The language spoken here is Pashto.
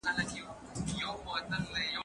زه به اوږده موده د لوبو لپاره وخت نيولی وم!.